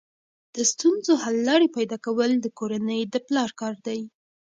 د ستونزو حل لارې پیدا کول د کورنۍ د پلار کار دی.